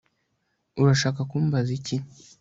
Urashaka kumbaza iki